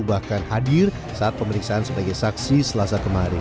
bahkan hadir saat pemeriksaan sebagai saksi selasa kemarin